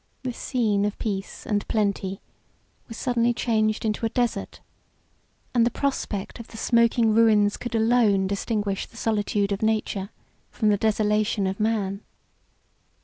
90 This scene of peace and plenty was suddenly changed into a desert; and the prospect of the smoking ruins could alone distinguish the solitude of nature from the desolation of man.